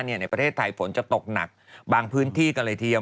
ในประเทศไทยฝนจะตกหนักบางพื้นที่กันเลยทีเดียว